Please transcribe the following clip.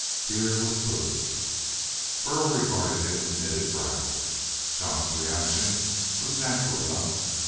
Here was food.... Burl regarded him with knitted brows. Jon's reaction was natural enough.